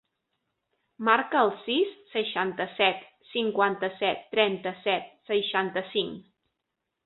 Marca el sis, seixanta-set, cinquanta-set, trenta-set, seixanta-cinc.